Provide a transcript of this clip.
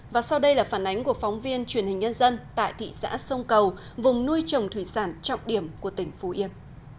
và sau đây là phản ánh của phóng viên truyền hình nhân dân tại thị xã sông cầu vùng nuôi trồng thủy sản trọng điểm của tỉnh phú yên